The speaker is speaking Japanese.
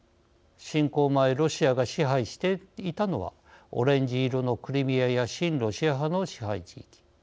侵攻前ロシアが支配していたのはオレンジ色のクリミアや親ロシア派の支配地域。